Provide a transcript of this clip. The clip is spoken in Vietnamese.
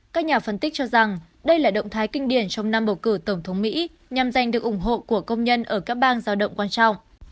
các nhà phân tích cho rằng đây là động thái kinh điển trong năm bầu cử tổng thống mỹ nhằm giành được ủng hộ của công nhân ở các bang giao động quan trọng